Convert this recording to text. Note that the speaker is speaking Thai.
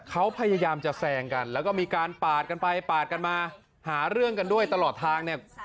เขาพยายามจะแซงกันแล้วก็มีการปาดกันไปปาดกันมาหาเรื่องกันด้วยตลอดทางเนี่ย